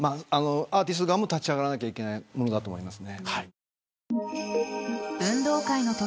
アーティスト側も立ち上がらなければいけないものだと思います。